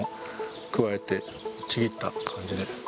くわえてちぎった感じで。